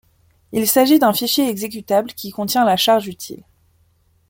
Il s'agit d'un fichier exécutable qui contient la charge utile.